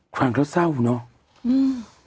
ความเค้าเศร้าเนอะ